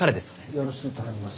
よろしく頼みます。